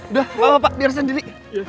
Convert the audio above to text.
udah bawa pak biar sendiri